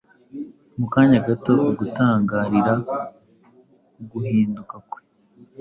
Mu kanya gato ugutangarira uguhinduka kwe